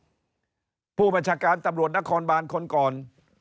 หืมผู้ประชาการตำรวจนครบ้านคนกร